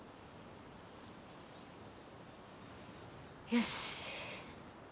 よし。